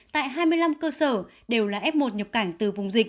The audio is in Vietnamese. tại hai mươi năm cơ sở đều là f một nhập cảnh từ vùng dịch